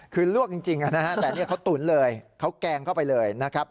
คือลวกจริงนะฮะแต่นี่เขาตุ๋นเลยเขาแกงเข้าไปเลยนะครับ